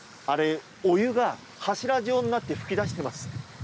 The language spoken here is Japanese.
あれ、お湯が柱状になって噴き出しています。